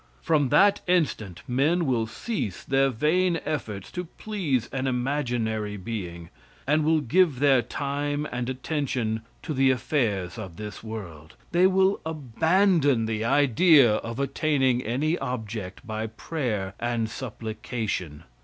From that instant men will cease their vain efforts to please an imaginary being, and will give their time and attention to the affairs of this world. They will abandon the idea of attaining any object by prayer and supplication.